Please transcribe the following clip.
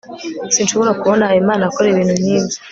sinshobora kubona habimana akora ibintu nkibyo